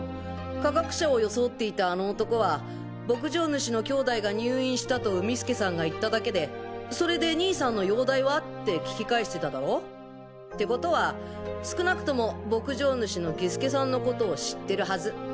科学者を装っていたあの男は牧場主の兄弟が入院したと海輔さんが言っただけで「それで兄さんの容体は？」って聞き返してただろ？ってことは少なくとも牧場主の義輔さんのコトを知ってるはず。